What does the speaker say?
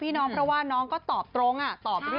แล้วก็ผมเชื่อว่าทุกคนเข้าใจก็ขอบคุณนะคะ